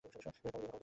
এটাকে কবর দিবেন না?